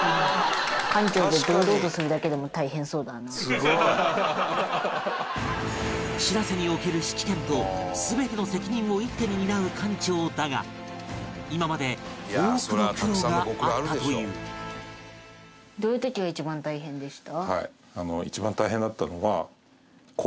「すげえ」「しらせ」における指揮権と全ての責任を一手に担う艦長だが今まで多くの苦労があったというとかね色々考えました。